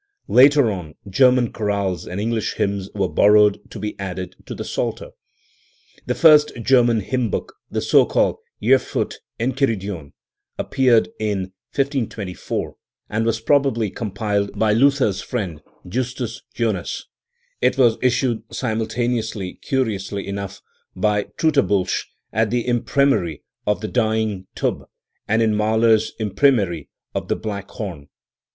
Later on, German chorales and English hymns were borrow ed to be added to the Psalter. The first German hymn book, the so called Erfurt En chiridion, appeared in 1524, and was probably compiled by Luther's friend Justus Jonas, It was issued simultaneously, curiously enough, by Tratobulsch at the imprimcrie of the Dyeing Tub, and in Malcr's imprimo.rie of the Black Horn.